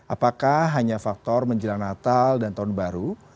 apakah hanya faktor menjelang natal dan tahun baru